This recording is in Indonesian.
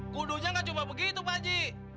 kuduhnya nggak coba begitu pak haji